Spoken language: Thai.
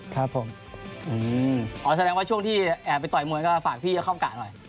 ครับผมอ๋อแสดงว่าช่วงที่แอบไปต่อยมวยก็ฝากพี่เขาเข้ากะหน่อย